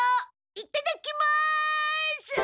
いっただきます！